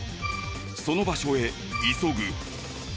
その場所へ急ぐ。